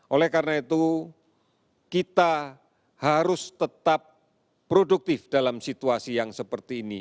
oleh karena itu kita harus tetap produktif dalam situasi yang seperti ini